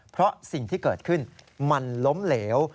เพราะสิ่งที่เกิดขึ้นมันล้มเหลว